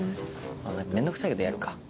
面倒臭いけどやるか。